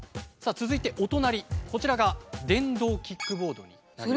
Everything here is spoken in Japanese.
続いてお隣こちらが電動キックボードになります。